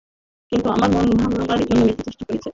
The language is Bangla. কিন্তু আমার মন ভাঙাইবার জন্য মিথ্যা চেষ্টা করিতেছ।